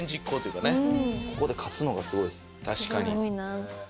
ここで勝つのがすごいですよね。